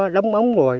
đấm ống rồi